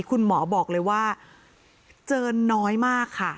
คุณหมอบอกเลยว่าเจอน้อยมากค่ะ